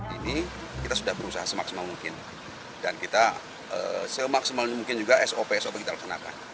ini kita sudah berusaha semaksimal mungkin dan kita semaksimal mungkin juga sop sop kita laksanakan